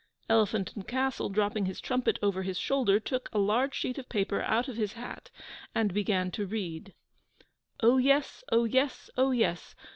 Elephant and Castle, dropping his trumpet over his shoulder, took a large sheet of paper out of his hat, and began to read: 'O Yes! O Yes! O Yes!